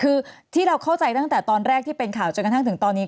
คือที่เราเข้าใจตั้งแต่ตอนแรกที่เป็นข่าวจนกระทั่งถึงตอนนี้